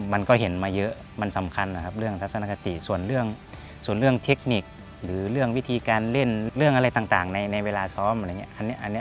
มันก็เห็นมาเยอะมันสำคัญนะครับเรื่องทัศนคติส่วนเรื่องส่วนเรื่องเทคนิคหรือเรื่องวิธีการเล่นเรื่องอะไรต่างในเวลาซ้อมอะไรอย่างนี้